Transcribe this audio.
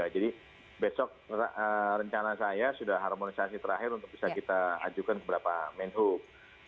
jadi besok rencana saya sudah harmonisasi terakhir untuk bisa kita ajukan beberapa menhub